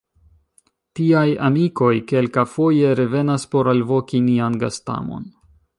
Tiaj „amikoj“ kelkafoje revenas por alvoki nian gastamon.